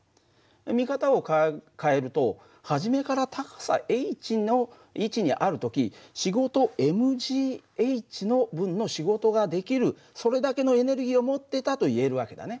見方を変えると初めから高さｈの位置にある時仕事ｍｈの分の仕事ができるそれだけのエネルギーを持ってたといえる訳だね。